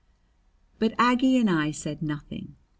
But Aggie and I said nothing.